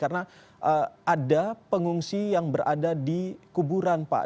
karena ada pengungsi yang berada di kuburan pak